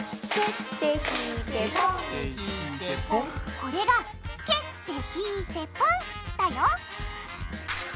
これが「蹴って引いてポン」だよ